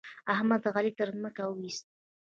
احمد؛ علي تر ځمکه واېست.